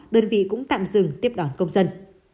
đơn vị cũng tạm dừng tiếp đoàn công dân